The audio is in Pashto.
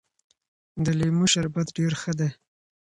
د لیمو شربت ډېر ښه دی.